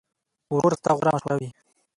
ورور ستا غوره مشوره وي.